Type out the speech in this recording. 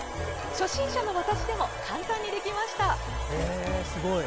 初心者の私でも簡単にできました。